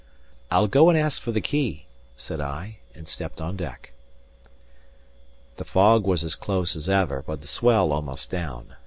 "I'll go and ask for the key," said I, and stepped on deck. The fog was as close as ever, but the swell almost down.